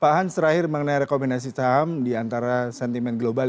pak hans terakhir mengenai rekomendasi saham di antara sentimen global